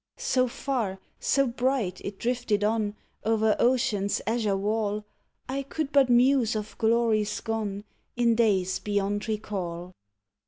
So far, so bright, it drifted on O'er ocean's azure wall I could but muse of glories gone, In days beyond recall.